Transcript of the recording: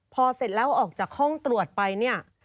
พอเสร็จแล้วออกจากห้องตรวจไปเนี่ย